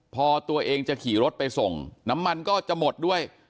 พอตัวเองจะขี่รถไปส่งน้ำมันก็จะหมดด้วย